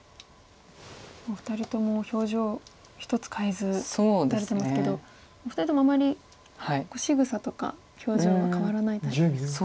お二人とも表情ひとつ変えず打たれてますけどお二人ともあまりしぐさとか表情は変わらないタイプですか？